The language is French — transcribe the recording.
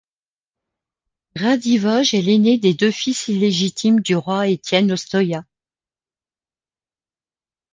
Radivoj est l'ainé des deux fils illégitimes du roi Étienne-Ostoïa.